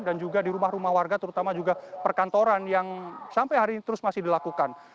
dan juga di rumah rumah warga terutama juga perkantoran yang sampai hari ini terus masih dilakukan